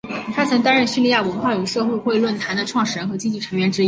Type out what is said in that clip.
他曾担任叙利亚文化与社会论坛的创始人和积极成员之一。